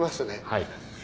はい。